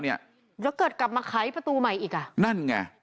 เดี๋ยวเกิดกลับมาไขประตูใหม่อีกอ่ะนั่นไง